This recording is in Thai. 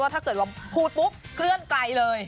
ว่าถ้าเกิดพูดปุ๊บเมื่อเกินไกลเลย